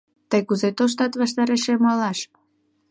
«Тый кузе тоштат ваштарешем ойлаш